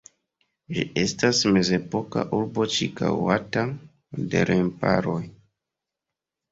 Ĝi estas mezepoka urbo ĉirkaŭata de remparoj.